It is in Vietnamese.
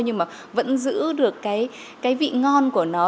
nhưng mà vẫn giữ được cái vị ngon của nó